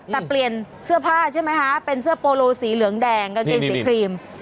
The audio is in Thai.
แต่เปลี่ยนเสื้อผ้าใช่ไหมคะเป็นเสื้อโปโลสีเหลืองแดงกางเกงสีครีม